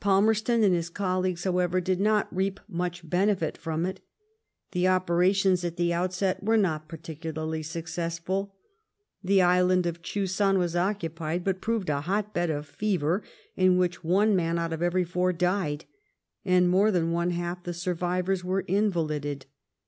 Palmerston and bis colleagues, however, did not reap much benefit from it. The operations at the outset were not pai ticularly successful. The island of Ghusan was occupied, but proved a hot bed of fever, in which one man out of every four died, and more than one hair the survivors were invalided.